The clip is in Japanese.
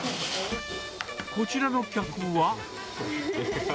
こちらの客は。